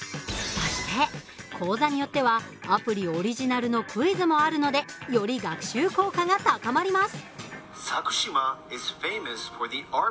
そして、講座によってはアプリオリジナルのクイズもあるのでより学習効果が高まります。